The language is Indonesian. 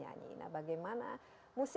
ya saya memang memahami